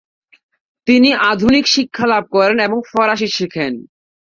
তিনি আধুনিক শিক্ষা লাভ করেন এবং ফরাসি শিখেন।